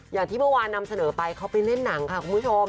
อย่างที่เมื่อวานนำเสนอไปเขาไปเล่นหนังค่ะคุณผู้ชม